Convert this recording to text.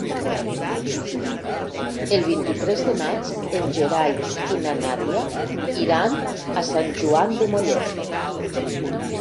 El vint-i-tres de maig en Gerai i na Nàdia iran a Sant Joan de Mollet.